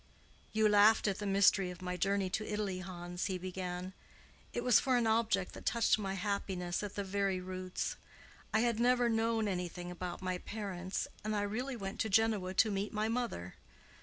"You laughed at the mystery of my journey to Italy, Hans," he began. "It was for an object that touched my happiness at the very roots. I had never known anything about my parents, and I really went to Genoa to meet my mother.